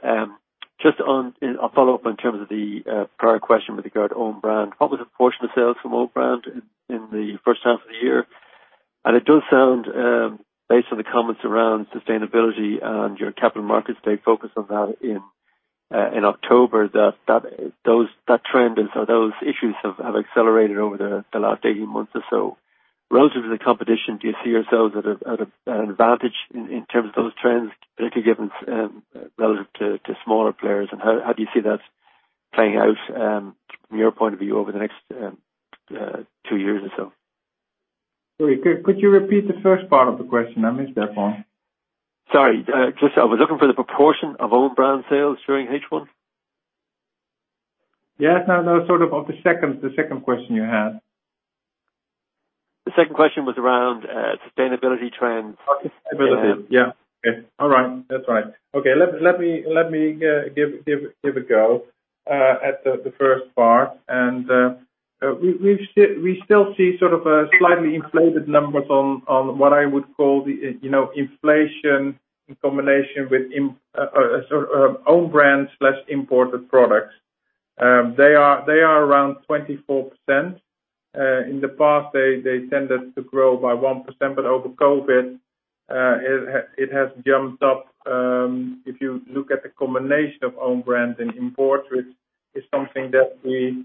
Just a follow-up in terms of the prior question with regard to own brand. What was the portion of sales from own brand in the first half of the year? It does sound, based on the comments around sustainability and your Capital Markets Day focus on that in October, that that trend and/or those issues have accelerated over the last 18 months or so. Relative to the competition, do you see yourselves at an advantage in terms of those trends, particularly given relative to smaller players, and how do you see that playing out from your point of view over the next two years or so? Sorry, could you repeat the first part of the question? I missed that one. Sorry. I was looking for the proportion of own brand sales during H1. Yes. No, that was sort of the second question you had. The second question was around sustainability trends. Okay. Sustainability. Yeah. Okay. All right. That's fine. Okay, let me give a go at the first part. We still see sort of slightly inflated numbers on what I would call the inflation in combination with own brand/imported products. They are around 24%. In the past, they tended to grow by 1%, but over COVID, it has jumped up. If you look at the combination of own brand and imports, it's something that we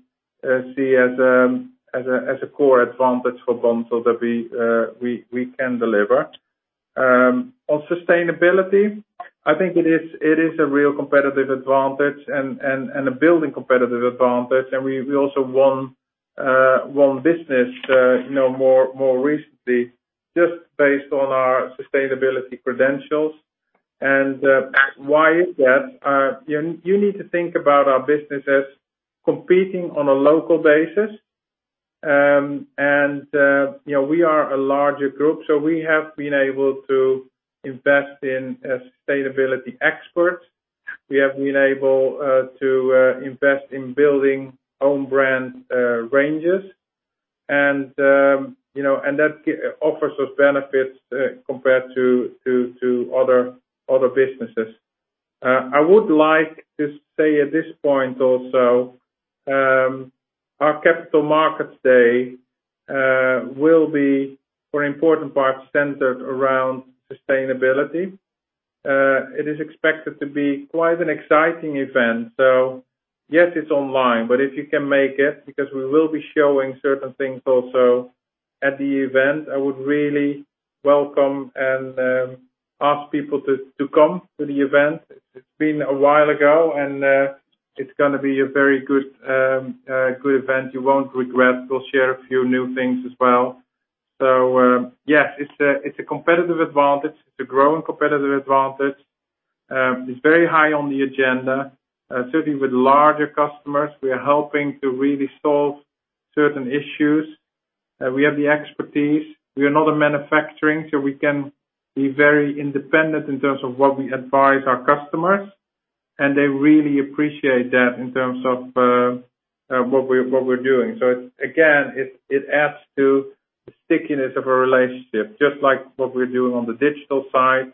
see as a core advantage for Bunzl that we can deliver. On sustainability, I think it is a real competitive advantage and a building competitive advantage, and we also won business more recently just based on our sustainability credentials. Why is that? You need to think about our business as competing on a local basis. We are a larger group, so we have been able to invest in sustainability experts. We have been able to invest in building own brand ranges. That offers us benefits compared to other businesses. I would like to say at this point also, our Capital Markets Day will be, for important part, centered around sustainability. It is expected to be quite an exciting event. Yes, it's online, but if you can make it, because we will be showing certain things also at the event, I would really welcome and ask people to come to the event. It's been a while ago, and it's going to be a very good event. You won't regret. We'll share a few new things as well. Yes, it's a competitive advantage. It's a growing competitive advantage. It's very high on the agenda. Certainly with larger customers, we are helping to really solve certain issues. We have the expertise. We are not a manufacturing, we can be very independent in terms of what we advise our customers, and they really appreciate that in terms of what we're doing. Again, it adds to the stickiness of a relationship, just like what we're doing on the digital side,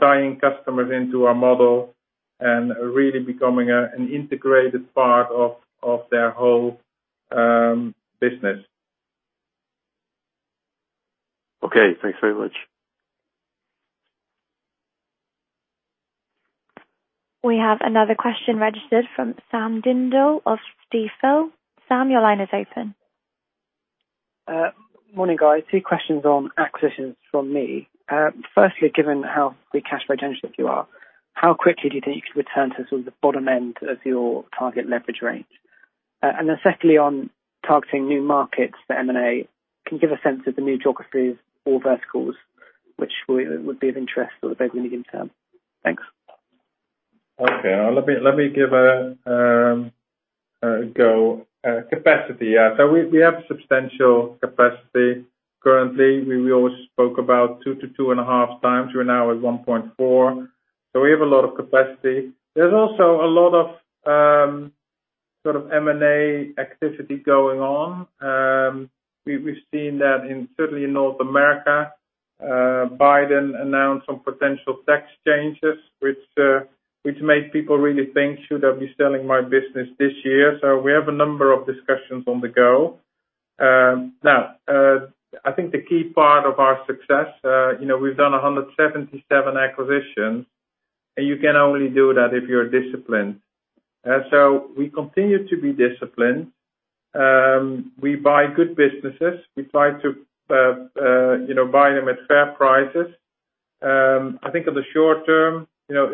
tying customers into our model and really becoming an integrated part of their whole business. Okay. Thanks very much. We have another question registered from Sam Dindol of Stifel. Sam, your line is open. Morning, guys. two questions on acquisitions from me. Firstly, given how big cash flow intensive you are, how quickly do you think you could return to sort of the bottom end of your target leverage range? Secondly, on targeting new markets for M&A, can you give a sense of the new geographies or verticals which would be of interest over the medium term? Thanks. Okay. Let me give a go. Capacity. Yeah. We have substantial capacity currently. We always spoke about 22.5 times. We're now at 1.4. We have a lot of capacity. There's also a lot of sort of M&A activity going on. We've seen that certainly in North America. Biden announced some potential tax changes, which made people really think, "Should I be selling my business this year?" We have a number of discussions on the go. Now, I think the key part of our success, we've done 177 acquisitions, and you can only do that if you're disciplined. We continue to be disciplined. We buy good businesses. We try to buy them at fair prices. I think in the short term,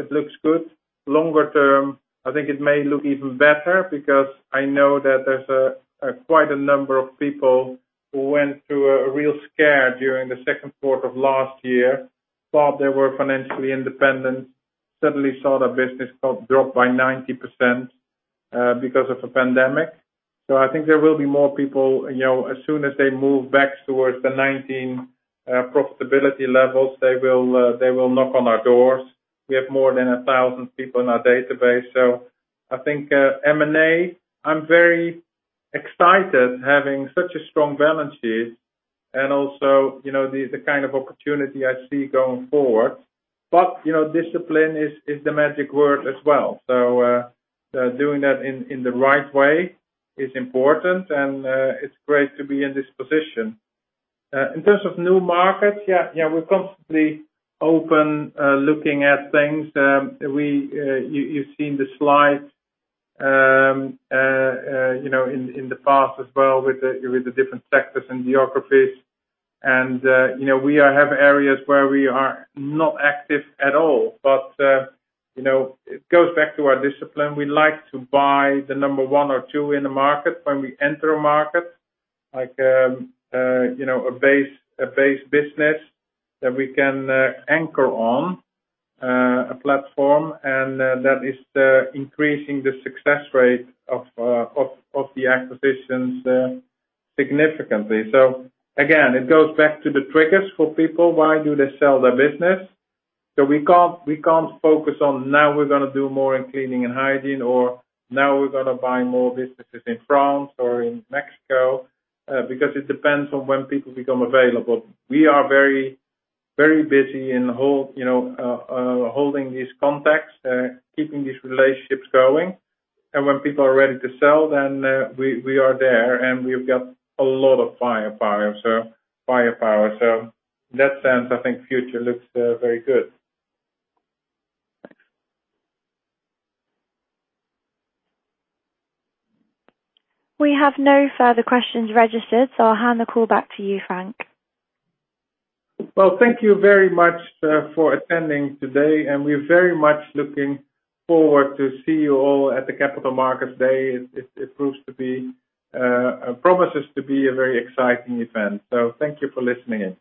it looks good. Longer term, I think it may look even better because I know that there's quite a number of people who went through a real scare during the second quarter of last year, thought they were financially independent, suddenly saw their business drop by 90% because of the pandemic. I think there will be more people, as soon as they move back towards the 2019 profitability levels, they will knock on our doors. We have more than 1,000 people in our database. I think M&A, I'm very excited having such a strong balance sheet and also the kind of opportunity I see going forward. Discipline is the magic word as well. Doing that in the right way is important and it's great to be in this position. In terms of new markets, yeah, we're constantly open, looking at things. You've seen the slides, in the past as well with the different sectors and geographies. We have areas where we are not active at all. It goes back to our discipline. We like to buy the number one or two in the market when we enter a market, like a base business that we can anchor on, a platform, and that is increasing the success rate of the acquisitions significantly. Again, it goes back to the triggers for people. Why do they sell their business? We can't focus on now we're going to do more in cleaning and hygiene, or now we're going to buy more businesses in France or in Mexico, because it depends on when people become available. We are very busy in holding these contacts, keeping these relationships going. When people are ready to sell, then we are there and we've got a lot of firepower. In that sense, I think future looks very good. Thanks. We have no further questions registered, so I'll hand the call back to you, Frank. Well, thank you very much for attending today, and we're very much looking forward to see you all at the Capital Markets Day. It promises to be a very exciting event. Thank you for listening in.